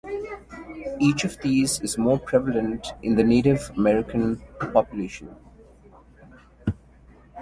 Each of these is more prevalent in the Native American population.